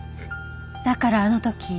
だからあの時。